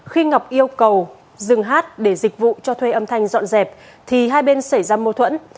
khi ngọc yêu cầu dừng hát để dịch vụ cho thuê âm thanh dọn dẹp thì hai bên xảy ra mâu thuẫn